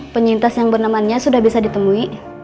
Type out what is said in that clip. penyintas yang bernamanya sudah bisa ditemui